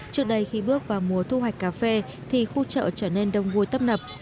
trước đây khi bước vào mùa thu hoạch cà phê thì khu chợ trở nên đông vui tấp nập